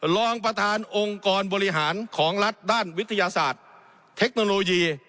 รองประธานองค์กรบริหารของรัฐด้านวิทยาศาสตร์เทคโนโลยี